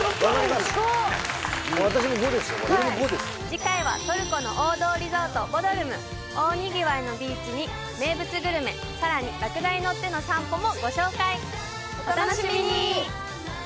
次回はトルコの王道リゾートボドルム大にぎわいのビーチに名物グルメさらにラクダに乗っての散歩もご紹介お楽しみに！